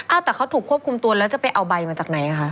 แต่เขาถูกควบคุมตัวแล้วจะไปเอาใบมาจากไหนคะ